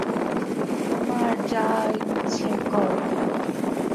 তোমার যা ইচ্ছে কর!